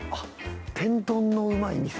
「天丼のうまい店」。